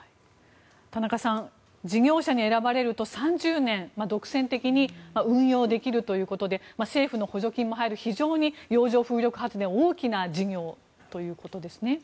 田中さん事業者に選ばれると、３０年独占的に運用できるということで政府の補助金も入り非常に洋上風力発電は大きな事業ということですね。